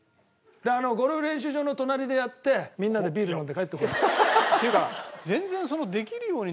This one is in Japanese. ゴルフ練習場の隣でやってみんなでビール飲んで帰ってこよう。